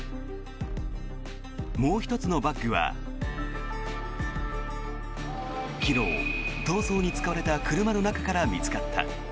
もう１つのバッグは昨日、逃走に使われた車の中から見つかった。